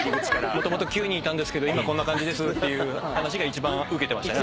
もともと９人いたんですけど今こんな感じですっていう話が一番ウケてましたね。